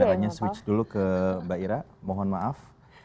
coba kameranya switch dulu ke mbak ira mohon maaf